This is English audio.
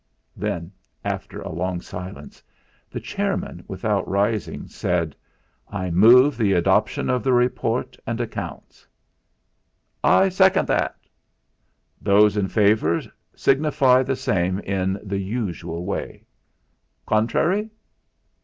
Then, after a long silence, the chairman, without rising, said: "I move the adoption of the report and accounts." "I second that." "Those in favour signify the same in the usual way. Contrary?